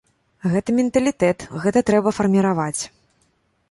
Гэта менталітэт, гэта трэба фарміраваць.